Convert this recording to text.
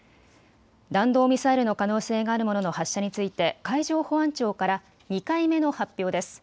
弾道ミサイルの可能性があるものの発射について海上保安庁から２回目の発表です。